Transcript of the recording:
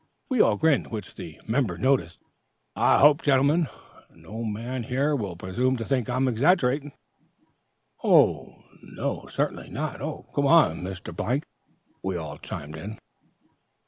We all grinned, which the "member" noticing, observed, "I hope, gentlemen, no man here will presume to think I'm exaggerating?" "Oh, certainly not! Go on, Mr. ," we all chimed in.